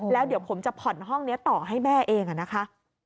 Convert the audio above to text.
แล้วเดี๋ยวผมจะผ่อนห้องนี้ต่อให้แม่เองนะคะ